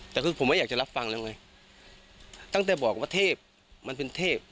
แต่คือผมไม่อยากจะรับฟังแล้วไงตั้งแต่บอกว่าเทพมันเป็นเทพ